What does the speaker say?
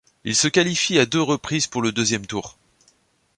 Ils se qualifient à deux reprises pour le deuxième tour.